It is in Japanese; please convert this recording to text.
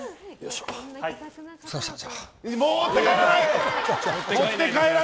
持って帰らない！